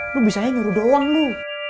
lu bisa aja nyuruh doang lu